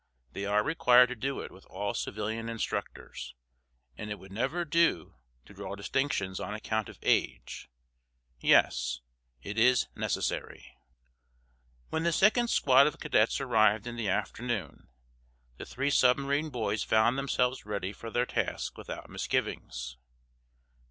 "They are required to do it with all civilian instructors, and it would never do to draw distinctions on account of age. Yes; it is necessary." When the second squad of cadets arrived, in the afternoon, the three submarine boys found themselves ready for their task without misgivings.